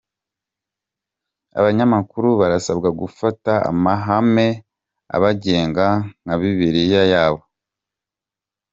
Abanyamakuru barasabwa gufata amahame abagenga nka Bibiliya yabo